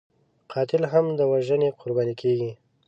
قاتل هم د وژنې قرباني کېږي